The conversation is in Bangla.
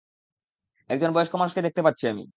একজন বয়স্ক মানুষকে দেখতে পাচ্ছি আমি।